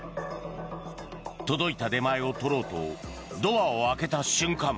届いた出前を取ろうとドアを開けた瞬間